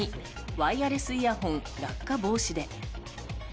ワイヤレスイヤホン落下防止で。